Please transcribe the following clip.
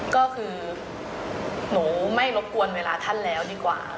ก็คือหนูไม่รบกวนเวลาท่านแล้วดีกว่า